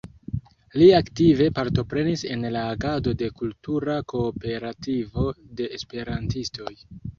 Li aktive partoprenis en la agado de Kultura Kooperativo de Esperantistoj.